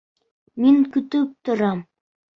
Мин көтөп торам.